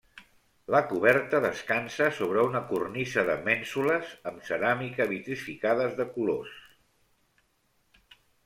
La coberta descansa sobre una cornisa de mènsules amb ceràmica vitrificades de colors.